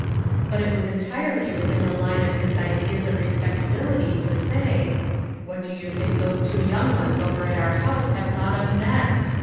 But it was entirely within the line of his ideas of respectability to say :" What do you think those two young ones over at our house have thought up next